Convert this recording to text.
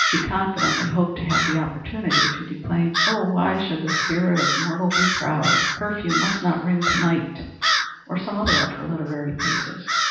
She confidently hoped to have the opportunity to declaim, "Oh, why should the spirit of mortal be proud?" "Curfew must not ring to night," or some other of her literary pieces.